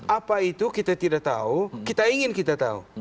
apa itu kita tidak tahu kita ingin kita tahu